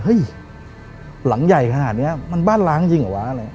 ตอนนั้นน่าจะช่วงประมาณช่วงบ่าย